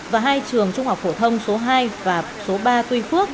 và hai trường trung học phổ thông số hai và số ba tuy phước